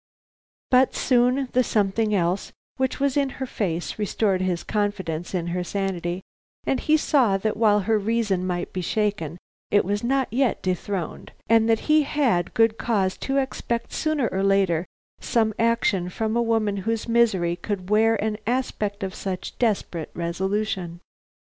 But soon the something else which was in her face restored his confidence in her sanity, and he saw that while her reason might be shaken it was not yet dethroned, and that he had good cause to expect sooner or later some action from a woman whose misery could wear an aspect of such desperate resolution.